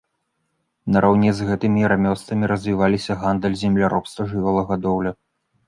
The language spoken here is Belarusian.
Нараўне з гэтымі рамёствамі развіваліся гандаль, земляробства, жывёлагадоўля.